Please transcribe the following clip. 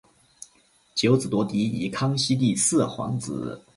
九子夺嫡以康熙帝皇四子雍亲王胤禛取胜告终。